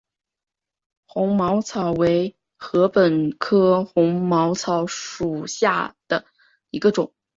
红毛草为禾本科红毛草属下的一个种。